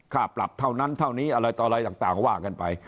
ค่าปรับเท่านั้นเท่านี้อะไรต่ออะไรต่างว่ากันไป